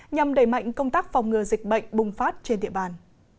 nhằm đẩy mạnh công tác phòng ngừa dịch bệnh bùng phát trên địa bàn